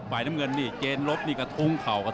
ภายน้ำเงินนี้เจนรถนี่กระทุงเข่า